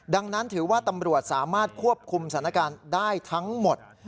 ดังนั้นถือว่าตำรวจสามารถควบคุมสถานการณ์ได้ทั้งหมด